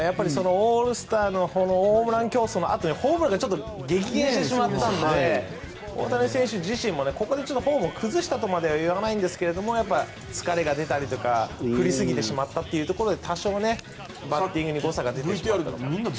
オールスターのホームラン競争のあとにホームラン、激減したので大谷選手自身ここでちょっとフォームを崩したとまでは言わないんですが疲れが出たり振りすぎてしまったということで多少、バッティングに誤差が出たのかなと。